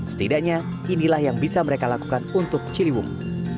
setidaknya inilah yang bisa mereka lakukan untuk ciliwung